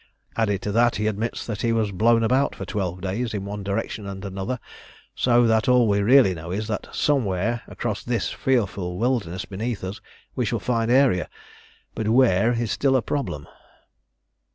Added to that, he admits that he was blown about for twelve days in one direction and another, so that all we really know is that somewhere across this fearful wilderness beneath us we shall find Aeria, but where is still a problem."